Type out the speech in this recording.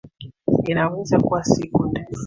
Inaweza kuwa siku ndefu